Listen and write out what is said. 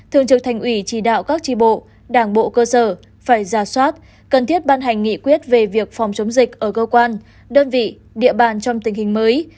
thường trực thành ủy chỉ đạo các tri bộ đảng bộ cơ sở phải ra soát cần thiết ban hành nghị quyết về việc phòng chống dịch ở cơ quan đơn vị địa bàn trong tình hình mới